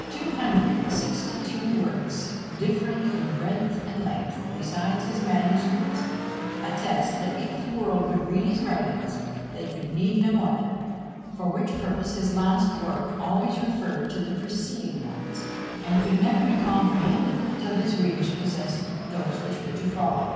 Two hundred and sixty two works, differing in breadth and length, besides his manuscripts, attest, that if the world would read his writings, they could need no other; for which purpose his last work always referred to the preceding ones, and could never be comprehended till his readers possessed those which were to follow.